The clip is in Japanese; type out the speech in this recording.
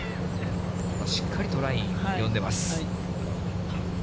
ただ、しっかりとライン読んでます。